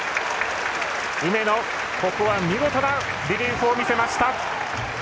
梅野、ここは見事なリリーフを見せました。